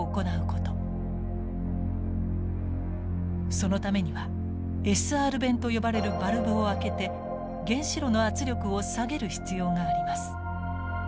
そのためにはＳＲ弁と呼ばれるバルブを開けて原子炉の圧力を下げる必要があります。